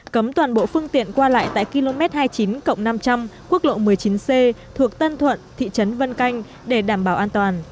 cấm toàn bộ phương tiện qua lại tại km hai mươi chín cộng năm trăm linh quốc lộ một mươi chín c thuộc tân thuận thị trấn vân canh để đảm bảo an toàn